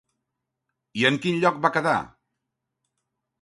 I en quin lloc va quedar?